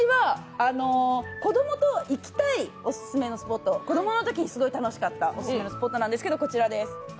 子供と行きたいオススメのスポット子供のときにすごい楽しかったオススメのスポットですけど、こちらです。